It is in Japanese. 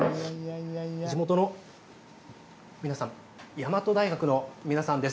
地元の皆さん、大和大学の皆さんです。